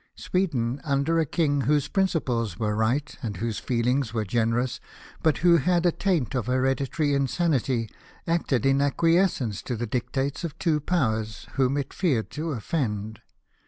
Sweden, under a king whose principles were right and whose feelings were generous, but who had a taint of hereditary insanity, acted in acquies cence to the dictates of two powers, whom it feared to offend.